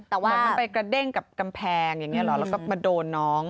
แต่ว่าเหมือนมันไปกระเด้งกับกำแพงอย่างนี้หรอแล้วก็มาโดนน้อง